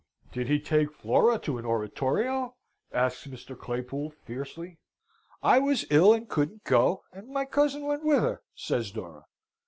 "Did he take Flora to an oratorio?" asks Mr. Claypool, fiercely. "I was ill and couldn't go, and my cousin went with her," says Dora.